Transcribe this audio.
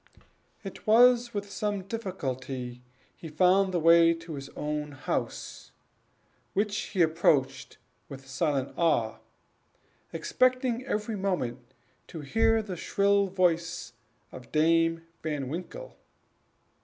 It was with some difficulty that he found the way to his own house, which he approached with silent awe, expecting every moment to hear the shrill voice of Dame Van Winkle.